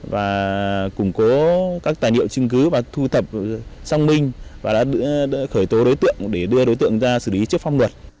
và củng cố các tài niệm chứng cứ và thu thập trong mình và đã khởi tố đối tượng để đưa đối tượng ra xử lý trước phong luật